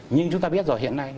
nhưng chúng ta biết rồi hiện nay